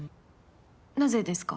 なぜですか？